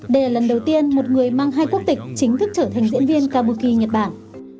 đây là lần đầu tiên một người mang hai quốc tịch chính thức trở thành diễn viên kabuki nhật bản